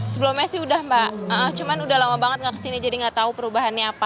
sebelumnya sih udah mbak cuman udah lama banget gak kesini jadi nggak tahu perubahannya apa